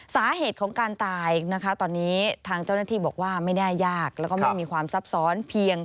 สาเหตุของการตายนะคะตอนนี้ทางเจ้าหน้าที่บอกว่าไม่แน่ยากแล้วก็ไม่มีความซับซ้อนเพียง